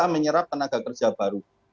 menyerap tenaga kerja baru